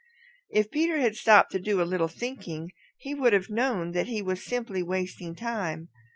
If Peter had stopped to do a little thinking, he would have known that he was simply wasting time.